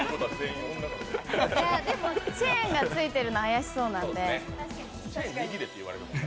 でも、チェーンがついているの怪しそうなんで。